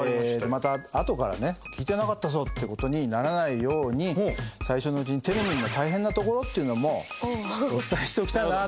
またあとからね聞いてなかったぞ！って事にならないように最初のうちにテルミンの大変なところっていうのもお伝えしておきたいなと。